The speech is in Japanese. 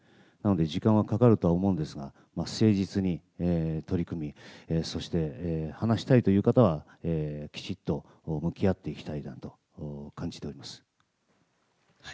なので、時間はかかるとは思うんですが、誠実に取り組み、そして、話したいという方は、きちっと向き合っていきたいなと感じております。